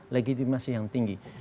legitimasi yang tinggi